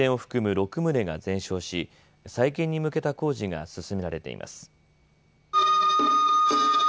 ６棟が全焼し再建に向けた工事が進められています。